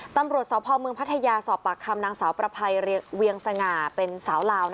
ตำรวจสพเมืองพัทยาสอบปากคำนางสาวประภัยเวียงสง่าเป็นสาวลาว